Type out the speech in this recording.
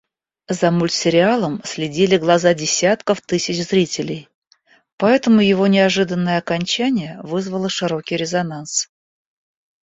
За мультсериалом следили глаза десятков тысяч зрителей, поэтому его неожиданное окончание вызвало широкий резонанс.